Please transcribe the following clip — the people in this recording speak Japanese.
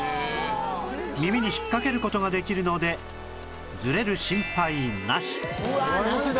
耳に引っかける事ができるのでズレる心配なし